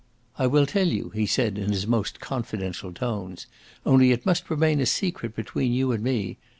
"I will tell you," he said, in his most confidential tones. "Only it must remain a secret between you and me.